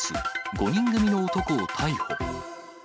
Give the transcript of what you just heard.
５人組の男を逮捕。